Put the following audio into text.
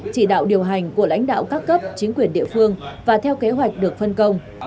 chỉ đạo điều hành của lãnh đạo các cấp chính quyền địa phương và theo kế hoạch được phân công